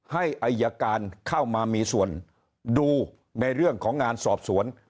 ให้อายการเข้ามามีส่วนดูในเรื่องของงานสอบสวน